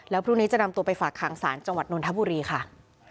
แล้วพรุ่งนี้จะนำตัวไปฝากขังศาลจังหวัดนทบุรีค่ะ